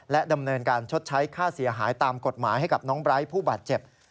ดำเนินการชดใช้ค่าเสียหายตามกฎหมายให้กับน้องไบร์ทผู้บาดเจ็บ